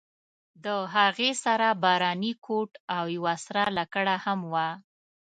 د هغې سره باراني کوټ او یوه تېره لکړه هم وه.